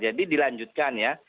jadi dilanjutkan ya